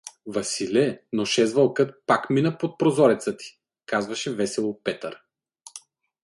— Василе, ношес вълкът пак мина под прозореца ти — казваше весело Петър.